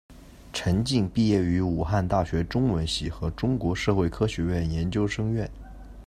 陈晋毕业于武汉大学中文系和中国社会科学院研究生院。